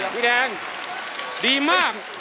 พี่แดงดีมาก